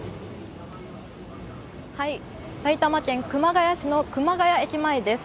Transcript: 埼玉県熊谷市の熊谷駅前です。